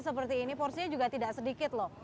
seperti ini porsinya juga tidak sedikit loh